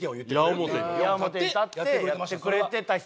矢面に立ってやってくれてた人です。